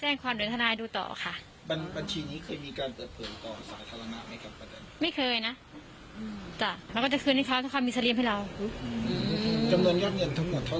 จำนวนยอดเงินทั้งหมดเท่าไหร่เพราะจะเติบเผลอได้ไหมครับป้าแตน